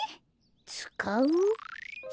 つかう？